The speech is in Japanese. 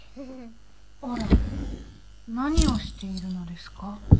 あら何をしているのですか？